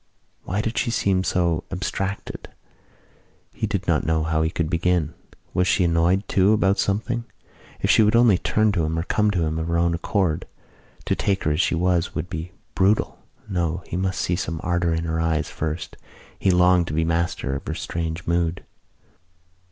Why did she seem so abstracted? He did not know how he could begin. Was she annoyed, too, about something? If she would only turn to him or come to him of her own accord! To take her as she was would be brutal. No, he must see some ardour in her eyes first. He longed to be master of her strange mood.